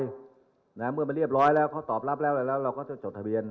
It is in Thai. แล้วเมื่อมันเรียบร้อยแล้วเขาตอบรับแล้วเราก็จะจดทะเบียน